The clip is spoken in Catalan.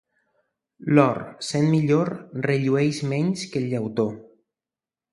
L'or, sent millor, rellueix menys que el llautó.